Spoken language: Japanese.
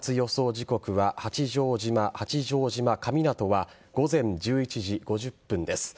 時刻は八丈島、八丈島神湊は午前１１時５０分です。